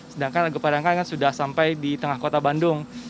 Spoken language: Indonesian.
sedangkan argo parahiangan sudah sampai di tengah kota bandung